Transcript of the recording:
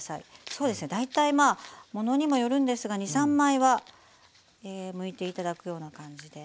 そうですね大体ものにもよるんですが２３枚はむいて頂くような感じで。